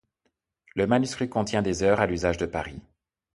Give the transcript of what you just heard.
Le manuscrit contient des heures à l'usage de Paris.